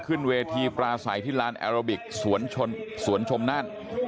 ขึ้นเวทีปราศัยที่ลานแอโรบิกสวนชมนั่น